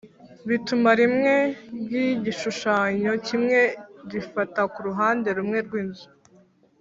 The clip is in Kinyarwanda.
bituma rimwe ry’igishushanyo kimwe rifata ku ruhande rumwe rw’inzu